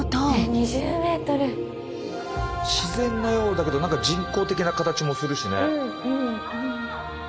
自然なようだけど何か人工的な形もするしね。